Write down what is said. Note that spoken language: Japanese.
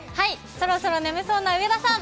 そろそろ眠そうな上田さん。